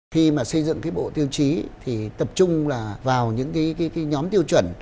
khi xây dựng bộ tiêu chí tập trung vào những nhóm tiêu chuẩn